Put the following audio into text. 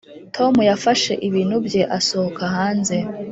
tom yafashe ibintu bye asohoka hanze.